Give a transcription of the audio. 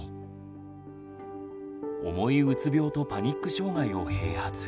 重いうつ病とパニック障害を併発。